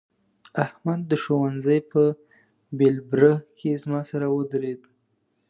احمد د ښوونځي په بېلبره کې زما سره ودرېد.